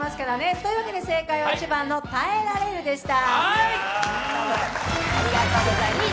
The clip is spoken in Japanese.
というわけで正解は１番の「耐えられる」でした。